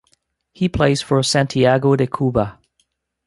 He plays for Santiago de Cuba.